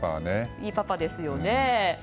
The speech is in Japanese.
いいパパですよね。